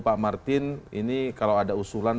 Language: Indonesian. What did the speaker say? pak martin ini kalau ada usulan